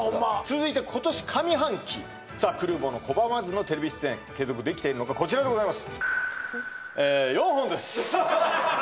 続いて今年上半期さあ来るもの拒まずのテレビ出演継続できているのかこちらでございますえ４本です